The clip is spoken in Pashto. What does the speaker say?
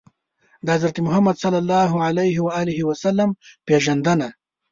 د حضرت محمد ﷺ پېژندنه